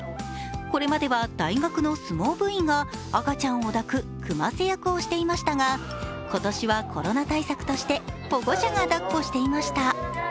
これまでは大学の相撲部員が赤ちゃんを抱く組ませ役をしていましたが、今年はコロナ対策として保護者がだっこしていました。